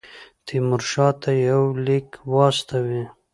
تیمورشاه ته یو لیک واستوي.